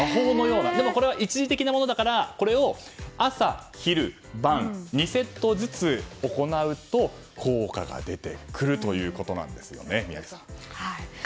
でも、これは一時的なものだからこれを朝、昼、晩２セットずつ行うと、効果が出てくるということなんですよね。